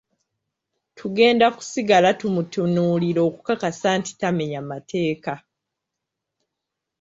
Tugenda kusigala tumutunuulira okukakasa nti tamenya mateeka.